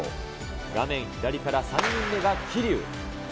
画面左から３人目が桐生。